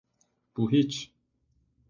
Bu hiç…